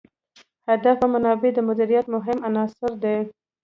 هدف او منابع د مدیریت مهم عناصر دي.